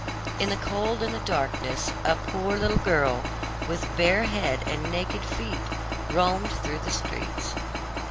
In the cold and the darkness, a poor little girl, with bare head and naked feet, roamed through the streets.